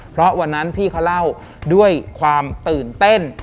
เพราะวันนั้นพี่เขาเล่าด้วยความตื่นเต้น